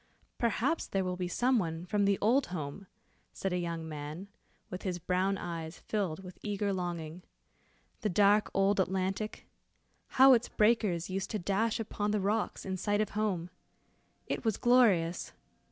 "Perhaps there will be some one from the old home," said a young man, with his brown eyes filled with eager longing. "The dark old Atlantic! how its breakers used to dash upon the rocks in sight of home. It was glorious.